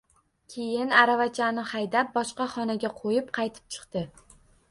Keyin aravachani haydab boshqa xonaga qo`yib qaytib chiqdi